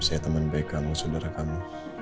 saya teman baik kamu saudara kamu